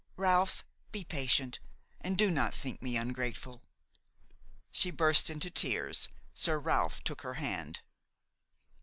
Ralph, be patient and do not think me ungrateful." She burst into tears. Sir Ralph took her hand.